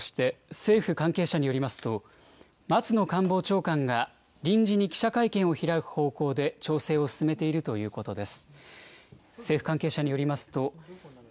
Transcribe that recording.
政府関係者によりますと、松野官房長官が臨時に記者会見を開く方向で、調整を進めているということです。